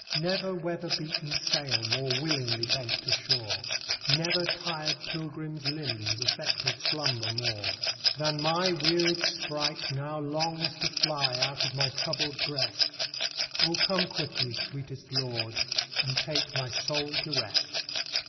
Never weather beaten sail more willing bent to shore, Never tired pilgrim's limbs affected slumber more, Than my wearied sprite now longs to fly out of my troubled breast. O come quickly, sweetest Lord, and take my soul to rest.